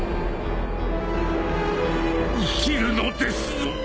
生きるのですぞ。